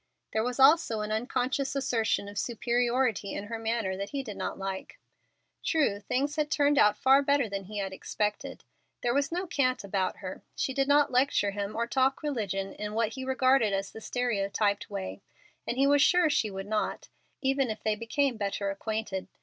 There was also an unconscious assertion of superiority in her manner that he did not like. True, things had turned out far better than he had expected. There was no cant about her. She did not lecture him or "talk religion" in what he regarded as the stereotyped way, and he was sure she would not, even if they became better acquainted.